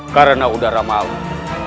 karena udara maut